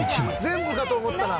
全部かと思ったら。